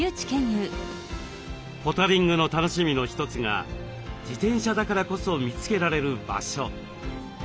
ポタリングの楽しみの一つが自転車だからこそ見つけられる場所。